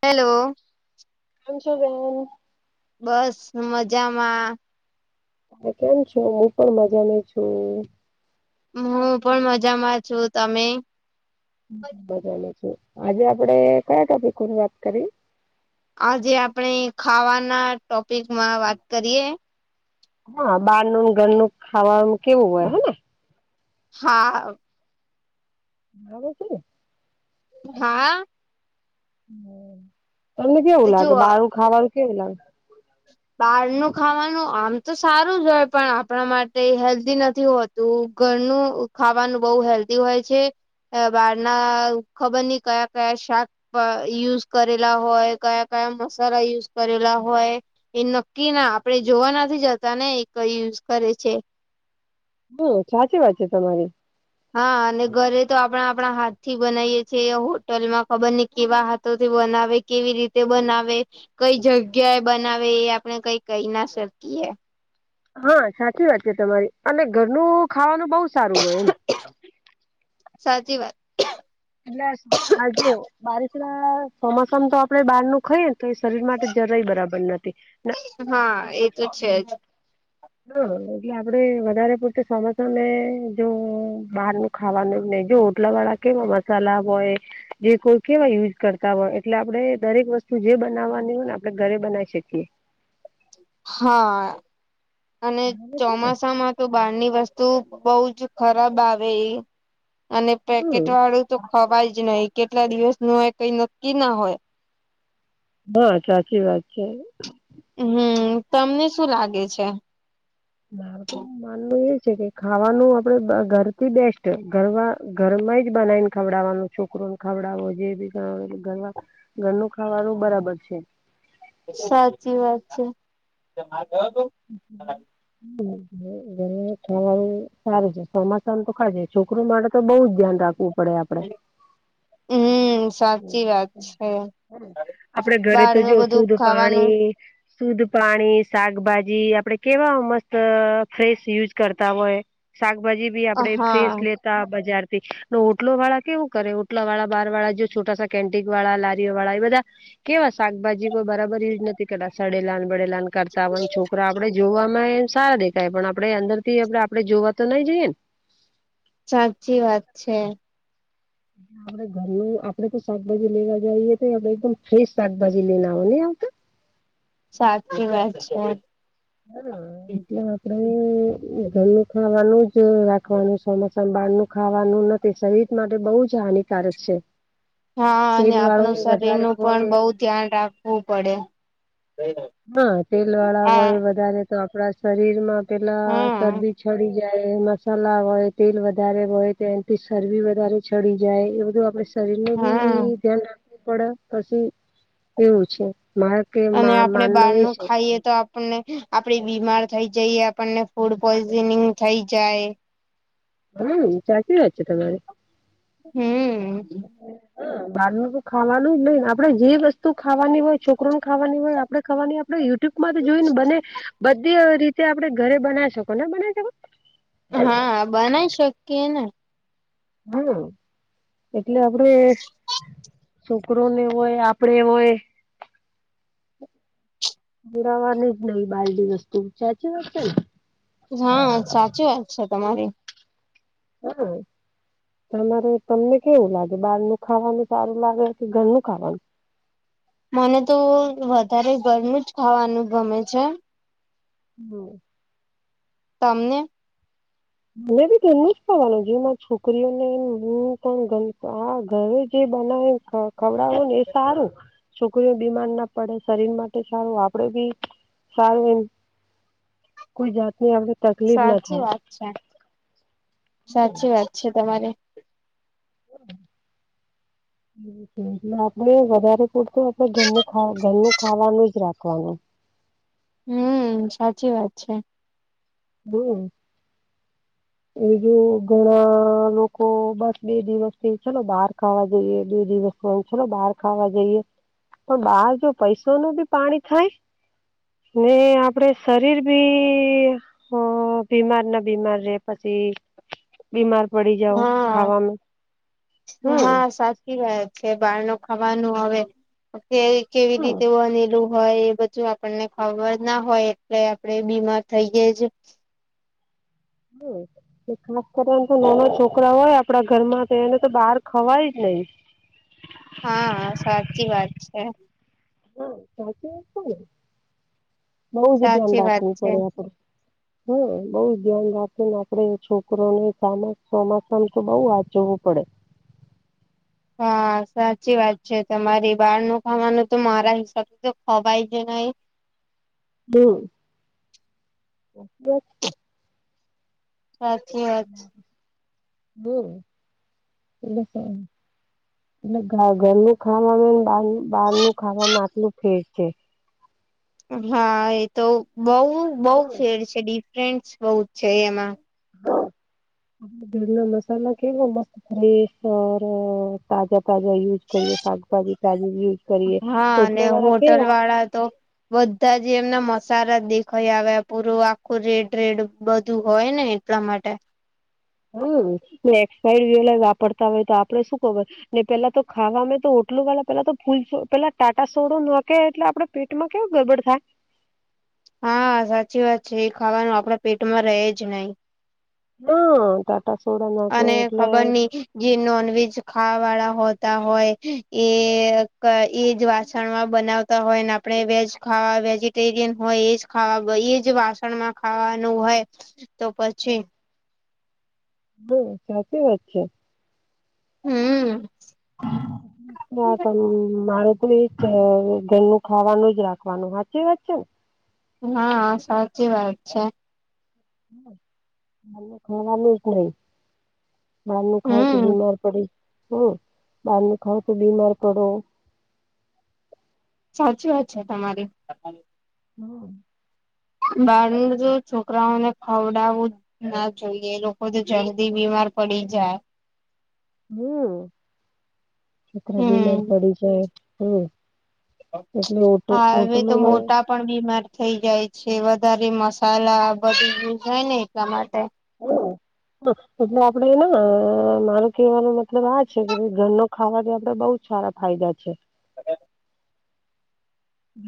Hello કેમ છો બેન બસ મજામાં એ કેમ છો હું પણ મજામાં છું હું પણ મજામાં છું તમે મજા માં છું આજે આપડે કયા ટોપિકો ની વાત કરીએ આજે આપણેે ખાવાના ટોપિકમાં વાત કરીએ હ બારનું ને ઘરનું ખાવાનું કેવું હોય હ ને હા [unintelligible] હા તમને કેવું જો લાગે બાર નું ખાાવાનું કેવું લાગે? બહારનું ખાવાનું આમ તો સારું જ હોય, પણ આપણા માટે હેલ્ધી નથી હોત તો ઘરનું ખાવાનું બઉ હેલ્ધી હોય છે. બહાર ના ખબર ની કયા કયા શાક યુઝ કરેલા હોય કયા કયા મસાલા યુઝ કરેલા હોય. એ નક્કી ના આપડે જોવા નથી જતા ને એ કઈ યુઝ કરે છે. હુ સાચી વાત છે તમારી હા, અને ઘરે તો આપણે આપણા હાથ થી બનાવીએ છીએ, હોટલ માં ખબર ની કેવા હાથ તો તે બનાવે કેવી રીતે બનાવે કઈ જગ્યા એ બનાવે એ આપણે કઈ કઈ ના શકીએ હા સાચી વાત છે, તમારી અને ઘરનું ખાવાનું બહુ સારું હોય એમ સાચી વાત [unintelligible] બારિશ ના સોમાસામા તો આપડે બહાર નું ખાઈએને તો એ શરીર માટે જરાય બરાબર નથી. હા, એ તો છે જ હા એટલે આપડે વધારે પડતે સમસમે જો બારનુ ખાવાનું નહી જો ઓટલા વાળા કેવા મસાલા હોય. જે કોઈ કેવા યુઝ કરતા હોય એટલે આપણેે દરેક વસ્તુ જે બનાવવાની હોય ને આપણે ઘરે બનાવી શકીએ. હા અને બરાબર છે ને ચોમાસામાં બહાર ની વસ્તુ બવજ ખરાબ આવે એ અને પેકેટ હમ વાળું તો ખવાય જ નહી કેટલા દિવસ નું હોય કઈ નક્કી ના હોય. હા સાચી વાત છે. હમ્મ તમને શું લાગે છે. મારે તો, માનવ એ છે, કે ખાવાનું આપડે ઘરથી બેસ્ટ ઘર ઘરમાં જ બનાવીને ખવડાવવાનું છે. છોકરોને ખાવડાવો જે બી ઘર ઘરનું ખાવાનું બરાબર છે. સાચી વાત છે. [inaudible] [unintelligible] ખવાનું સારું છે. સ- તો ખા છોકરો માટે તો બહુ જ ધ્યાન રાખવું પડે આપડે, હમ સાચી વાત છે [inaudible] આપડે ઘરે તો બહારનું જો બધું શુદધ ખાવાનું પાણી સુંદ્ધ પાણી શાકભાજી આપડે કેવા મસ્ત ફ્રેશ યુઝ કરતા હોય, શાકભાજી આપડે હા ફ્રેશ લેતા બજાર થી ને ઓટલો વાળા કેવું કરે ઓટલા વાળા બાર વાળા જો છોટાસા કે- વાળા લારીઓ વાળા એ બધા કેવા શકભાજી કોઈ બરાબર યુઝ નથી, કરે સડેલાન બડેલા કરતા હોન છોકરા આપડે જો એમ સારા દેખાય પણ આપડે અંદર થી આપ આપડે જોવા તો નઈ જઈએ, ને સાચી વાત છે. હા [unintelligible] ઘરમાં આપડે તોાકાજી લેવા જઈએ, તો આપ એકદમ ફ્રેશ શાકભાજી લેના હોય હી આવતા. સાચી વાત છે. હ એટલે આપડે ઘરનું ખાવાનું જ રાખવાનું ચોમાસા બાર નું ખાવાનું નથી. તે સહિત માટે બહુ જ હાનિકારક છે. હા, અને તેલ વાળું આપણું શરીર વધારે નું પણ હોય બહુ ધ્યાન રાખવું પડે. હા, તેલ વાળા હા હોય વધારે તો આપડા શરીર માં પેલા હમ શરદી છડી જાય મસાલા હોય તેલ વધારે હોય તેનાથી શરબી વધારે ચડી જાય. એ બધું આપડે શરીરને બી હમ ધ્યાન રાખું પડે પછી એવું છે. મારા કે અને મા આપણે બહાર નું ખાઈ- એ તો આપણને આપડી બીમાર થઈ જઈએ આપણને ફૂડ પોઈઝનિંગ થઈ જાય. હમ ચાચ વાત છે તમારી- હમ. હમ બારનું તો ખાવાનું જ નઈને આપડે જે વસ્તુ ખાવાની હોય છોકરો ને ખાવાની હોય આપડે ખવાની આપડે યુ- -યુટ્યુબમાં તો જોય ને બને બધી રીતે આપડ ઘરે બનાવી શકો ને બનાવી શકો? હા બનાવી શકીએ ને. હા એટલે આપડે- છોકરોને હોય આપડે હોય. બુરાવાની જ નઈ બાલડી વસ્તુ સાચી વાત છે ને. હા સાચી વાત છે તમારી હા તમારે તમને કેવું લાગે બહાર નું ખાવાનું સારું લાગે કે ઘરનું ખાવાનું મને તો વધારે ઘરનું જ ખાવાનુ ગમે છે હમ તમને મ બી ગમુ જ થવાનું જેમાં છોકરીઓને હું પણ ગમ આ ઘરે જે બનાવે હ ખવડાવું ને એ સારું છોકરીઓ બીમાર ના પડે શરીર માટે સારું આપડે બી સારું એમ કોઈ જાત આપડ સાચી વાત છે સાચી વાત છે તમારી આપડ વધારે ફડ તો આપડે ઘર ઘરનું ખાવાનું જ રાખવાનું હમ સાચી વાત છે હમ એજ ઘણા લોકો બસ બે દિવસ થી ચલો બહાર ખાવા જઈએ બે દિવસથી વાંછલો બહાર ખાવા જઈએ પણ બહાર જો પૈસો ન બી પાણી થાય ને આપડે શરીર ભી બીમાર ના બીમાર રે પછી બીમાર પડી જાવ હા ખાવામાં હમ ી વાત છે બહાર ન ખાવાનું હવે અત્યારે કેવી હા રીતે બનેલું હોય એ બધું આપણને ખબર ના હોય એટલે આપડે બીમાર થઈ ગે જ હમ ખાસ કરીને તો નાના છોકરા હોય આપડા ઘરમાં તો એને તો બહાર ખવાય જ નહીિ હા સાચી વાત છે હા ચચને બઉ જ ધ્યાન સાચી વાત રાખવું છે પડે આપડ હા બઉુ ધ્યાન રાખી ને આપણેે છોકરોને સામાસ ચોમાસામ તો બઉુ હ જવું પડે હા સાચી વાત છે તમારે બળ ન ખાવાનું તો મારા હિસાબે તો ખવાય જ નહી હમ સાચી વા હ એટલે છે એટલે ઘરનું ખાવામાં બ બહાર નું ખાવામાં આટલું ફેર છે [inaudible] હા એ તો બહ બહ ફેર છે ડિફરન્સ બહ જ છે એમાં હા આપ ભડ ના મસાલા કેવો મસ્ત ફ્રેશર તાજા તાજા યુઝ કરીએ શાકભાજી તજ યુઝ કરીએ હા અને ઓટલો વાળા હોટલ કેવા તો બધા જે એમના મસાલા દેખાઈ આવે પૂરું આખું રેડ રેડ બધું હોય ને આપલા માટે હમ્મ એક્સપાયર્ડ રહેલા વાપરતા હોય તો આપડે શું ખબર ને પેલા તો ખાવામાં તો ઓટલું વાળા પેલા તો ફૂલ પેલા ટાટા સોડો નોખે એટલે આપડે પેટ માં કેવું ગડબડ થાય. હા સાચી વાત છે એ ખાવાનું આપડા પેટમાં રહે જ નહી. ના ટાટા સોડા નાખે અને એટલે ખબર નઈ જે નોનવેજ ખાવા વાળા હોતા હોય એ એજ વાસણમાં બનાવ તા હોય ને આપણે વેજ ખાવા વેજીટેરિયન હોય એજ ખાવા એજ વાસણમાં ખાવાનું હોય હ તો પછી હા સાચી વાત છે. હમ [unintelligible] મારે ઘર ઘરનું ખાવાનું જ રાખવાનું સાચી વાત છે. હા સાચી વાત છે. ખાવાનું જ નહી બહાર નું ખાવ તો હમ બીમાર પડી હમ્મ બાર નુ ખાવ તો બીમાર પડો સાચી વાત છે તમારી હમ્મ. બળ્યું જો છોક છોકરાઓને ખવડાવું જ ના જોઈએ એ લોકો તો જલ્દી બીમાર પડી જાય હમ્મ છોકરા હમ બીમાર પડી જાય હમ્મ. હા હવે તો મોટા પણ બીમાર થઈ જાય છે વધારે મસાલા બધું યુક્ત હોય ને એટલા માટે [inaudible] હ એટલે આપડેને માર કેહેવાનો મતલબ આ છે કે બી ઘરનો ખાવાથી આપડે બઉ જ સારા ફાયદા છે. કદાચ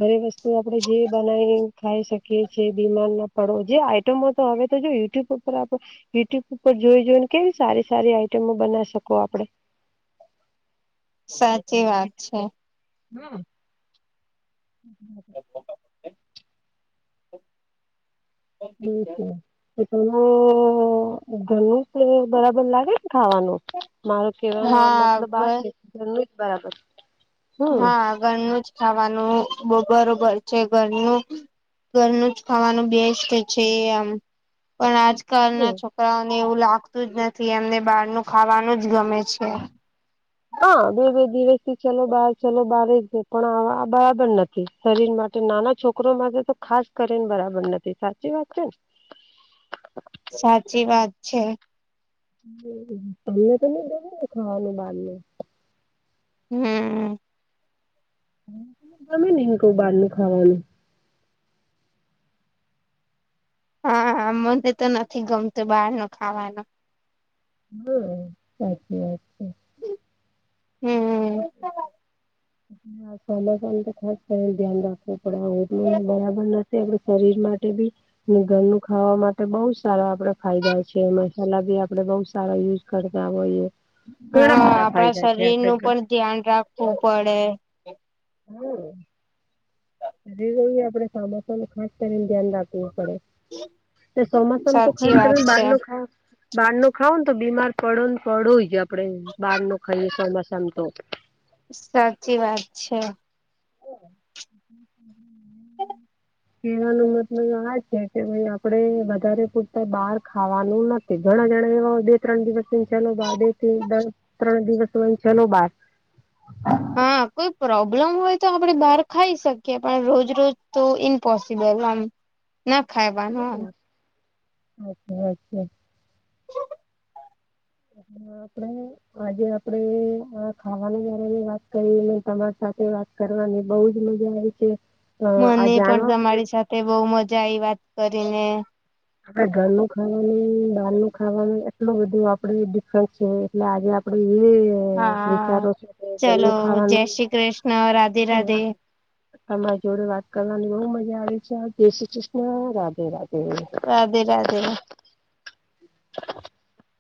ઘરે વસ્તુ આપડણે જે બનાવીને ખાઈ શકીએ છીએ બીમાર ના પડો જે આઈટમો તો હવે તો જો યુટ્યુબ યુટ્યુબ પર આપડે યુટ્યુબ ઉપર જોઈ જોઈ ને કેવી સારી સારી આઈટમો બનાવી શકો આપડે. સાચી વાત છે. હા. હ તો બિલકુલ તને ઘરનું બરાબર લાગે ને ખાવાનું મારો કેવાનો આ હા મતલબ આ ઘર છે કે ઘરનું જ બરાબર હમ હા ઘરનું જ ખાવાનું બરોબર છે ઘરનું ઘરનું જ ખાવાનું બેસ્ટ છે આમ પણ આજ ના છોકરાઓને એવું લાગતું જ નથી એમને બહાર નું ખાવાનું જ ગમે છે. હા બે બે દિવસ થી ચલો બાર ચલો બાર જ છે પણ એ બરાબર નથી. શરીર માટે નાના છોકરો માટે તો ખાસ કરીને બરાબર નથી સાચી વાત છે ને સાચી વાત છે. અહીયા તો નહી જડેને ખાવાનું બાર નુ હમ્મ. તમે નહું કો બહાર નુ ખાવાનું હા મને તો નથી ગમતું બહાર નુ ખાવાનું હમ્મ સાચી વાત છે. હમ્મ. [inaudible] માસવામ તો ખાસ કરી ધ્યાન રાખવું પડે એટલું ને બરાબર નથી તે આપણા શરીર માટે બી ઘરનું ખાવા માટે બહુ સારા આપડે ફાયદા છે મસાલા ભી આપડે બઉ સારા યુઝ કરતા હોઈએ ઘણા હા બધા આપણા ફાયદા છે શરીર આપણે નું ઘર પણ ધ્યાન રાખવું પડે હમ્મ શરીર એ આપડે ચોમાસા નું ખાસ કરીને ધ્યાન રાખ વું પડે ચોમાસામ તો સાચી ખાસ કરી વાત ને બહાર છે નું ખા બહાર નું ખાવું ને તો બીમાર પડો ને પડું જ આપડે બહાર નું ખાઈએ ચોમાસામ તો સાચી વાત છે. [inaudible] કેવાનો મતલબ આ છે કે ભાઈ આપડે વધારે પૂરતા બહાર ખાવાનું નથ ઘણા જણા એવા હોય બે ત્રણ દિવસને ચલો બાર બે થી ત્રણ દિવસ હોય ચલો બાર [inaudible] હા કોઈ પ્રોબ્લમ હોય તો આપડે બહાર ખાઈ શકીએ પણ રોજ રોજ તો ઇમ્પોસિબલ આમ ના ખાઈવાનું હ અરછા અરછા [inaudible] હ આપડે આજે આપડે અ ખાવાની જારે વાત કરીને તમાર સાથે વાત કરવાની બહુ જ મજા આવે છે. અ આ મને પણ જાણવા મળ્યું તમારી સાથે બહુ મજા આઈ વાત કરીને આપડે ઘરનું ખાવાનું બહાર નું ખાવાનું એટલું બધું આપડે ડિફરન્સ છે. એટલે આજે આપડે એ હા વિચારો છે કે ઘરનું ચલો જય ખાવાનું શ્રી કૃષ્ણ રાધે રાધે. તમાર જોડે વાત કરવાની બહુ મજા આવે છે જય શ્રી કૃષ્ણ રાધે રાધે રાધે રાધે [inaudible]